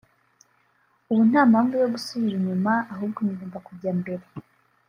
ubu nta mpamvu yo gusubira inyuma ahubwo ngomba kujya mbere”